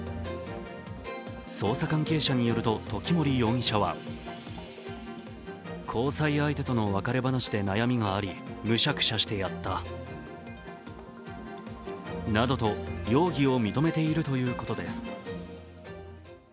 捜査関係者によると、時森容疑者はなどと容疑を認めているということです。